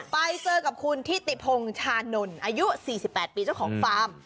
ไปเจอกับคุณทิติพงชานนท์อายุ๔๘ปีเจ้าของฟาร์ม